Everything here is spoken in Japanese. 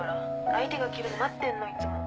相手が切るの待ってんのいつも。